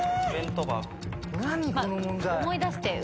歌を思い出して。